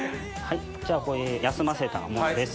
これ休ませたものです。